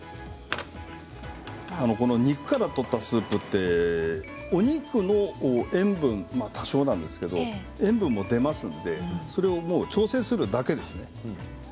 肉から取ったスープってお肉の塩分多少なんですけど塩分でも出ますのでそれを調整するだけですね。